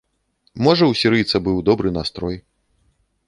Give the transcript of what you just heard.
Можа ў сірыйца быў добры настрой.